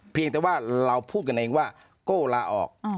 เพียงแต่ว่าเราพูดกันเองว่าโก้ลาออก